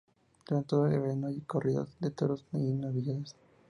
Durante todo el verano hay corridas de toros y novilladas.